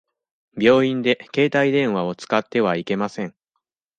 病院で携帯電話を使ってはいけません。